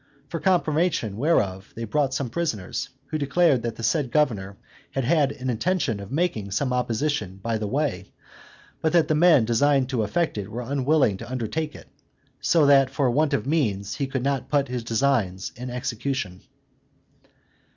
For confirmation whereof, they brought some prisoners, who declared that the said governor had had an intention of making some opposition by the way, but that the men designed to effect it were unwilling to undertake it: so that for want of means he could not put his design in execution.